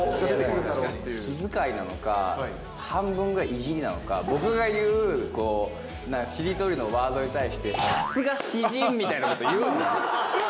どんなワードを入れてくるん気遣いなのか、半分くらいいじりなのか、僕が言うしりとりのワードに対して、さすが詩人！みたいなこと言うんです。